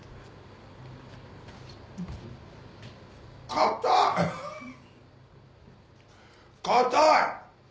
硬っ！硬い！